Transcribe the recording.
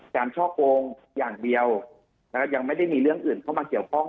ช่อโกงอย่างเดียวนะครับยังไม่ได้มีเรื่องอื่นเข้ามาเกี่ยวข้อง